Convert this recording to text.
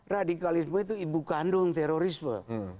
radikalisme itu ibu kandung terorisme